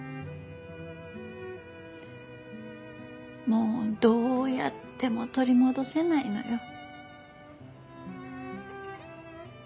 もうどうやっても取り戻せないのよ。